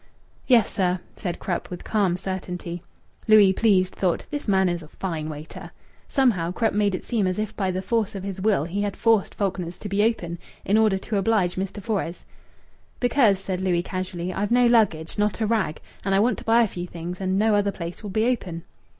"Yes, sir," said Krupp with calm certainty. Louis, pleased, thought, "This man is a fine waiter." Somehow Krupp made it seem as if by the force of his will he had forced Faulkner's to be open in order to oblige Mr. Fores. "Because," said Louis casually, "I've no luggage, not a rag, and I want to buy a few things, and no other place'll be open."